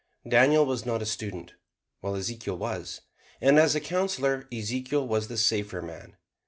Daniel was not a student, while Ezekiel was; and as a counselor Ezekiel was the safer man.